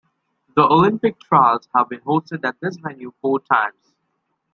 The Olympic Trials have been hosted at this venue four times.